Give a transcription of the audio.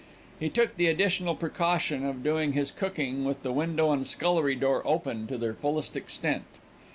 He took the additional precaution of doing his cooking with the window and scullery door open to their fullest extent.